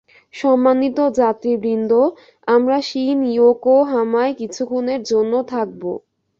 সম্মানিত যাত্রীবৃন্দঃ আমরা শিন-ইয়োকোহামায় কিছুক্ষণের জন্য থামবো।